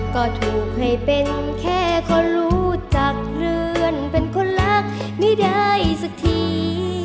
ก็ถูกให้เป็นแค่คนรู้จักเพื่อนเป็นคนรักไม่ได้สักที